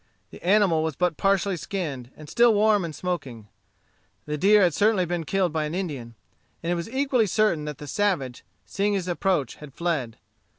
The animal was but partially skinned, and still warm and smoking. The deer had certainly been killed by an Indian; and it was equally certain that the savage, seeing his approach, had fled.